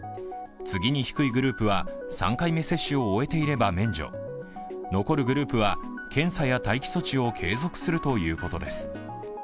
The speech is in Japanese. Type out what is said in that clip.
次に低いグループは３回目接種を終えていれば免除、残るグループは、検査や待機措置を継続するということです。